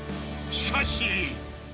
しかし。